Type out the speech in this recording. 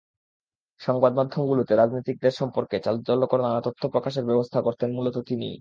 সংবাদমাধ্যমগুলোতে রাজনীতিকদের সম্পর্কে চাঞ্চল্যকর নানা তথ্য প্রকাশের ব্যবস্থা করতেন মূলত তিনিই।